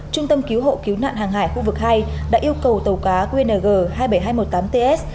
trung tâm cứu hộ cứu nạn hàng hải khu vực hai đã yêu cầu tàu cá qng hai mươi bảy nghìn hai trăm một mươi tám ts